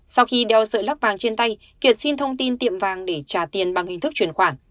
sau khi đeo sợi lắc vàng trên tay kiệt xin thông tin tiệm vàng để trả tiền bằng hình thức chuyển khoản